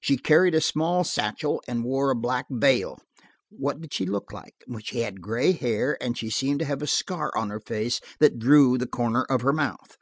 She carried a small satchel, and wore a black veil. What did she look like? She had gray hair, and she seemed to have a scar on her face that drew the corner of her mouth.